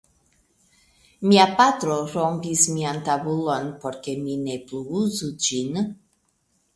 Mia patro rompis mian tabulon por ke mi ne plu uzu ĝin.